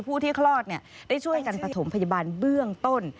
ผู้ที่คลอดได้ช่วยกันประถมพยาบาลเบื้องต้น